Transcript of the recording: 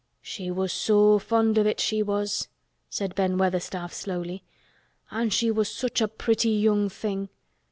"She was so fond of it—she was!" said Ben Weatherstaff slowly. "An' she was such a pretty young thing.